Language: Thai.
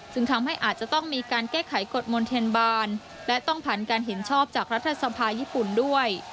ซึ่งทำให้อาจจะต้องมีการแก้ไขกฎมนเทียนบาลและต้องผ่านการเห็นชอบจากรัฐสภาญี่ปุ่นด้วย